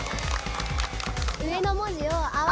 上の文字を合わせて。